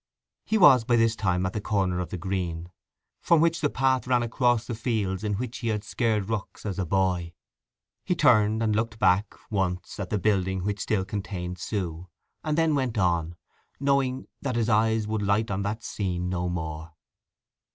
He was by this time at the corner of the green, from which the path ran across the fields in which he had scared rooks as a boy. He turned and looked back, once, at the building which still contained Sue; and then went on, knowing that his eyes would light on that scene no more.